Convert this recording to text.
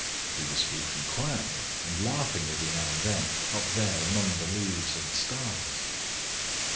He was speaking quietly, and laughing every now and then, up there among the leaves and stars.